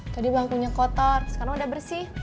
tadi bangkunya kotor sekarang udah bersih